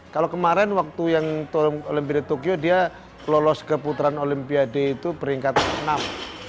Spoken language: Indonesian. kalau kemarin waktu yang olimpiade tokyo dia lolos ke putaran olimpiade itu peringkat enam